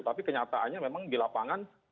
tapi kenyataannya memang di lapangan